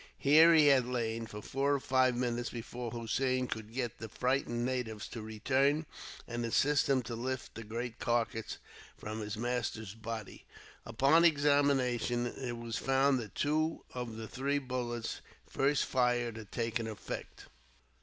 Here he had lain, for four or five minutes, before Hossein could get the frightened natives to return, and assist him to lift the great carcass from his master's body. Upon examination, it was found that two of the three bullets first fired had taken effect.